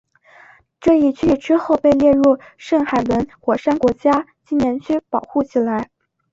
这一区域之后被列入圣海伦火山国家纪念区保护起来。